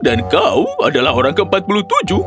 dan kau adalah orang keempat puluh tujuh